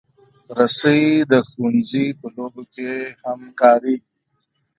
رسۍ د ښوونځي په لوبو کې هم کارېږي.